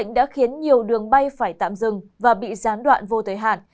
dịch bệnh đã khiến nhiều đường bay phải tạm dừng và bị gián đoạn vô thời hạn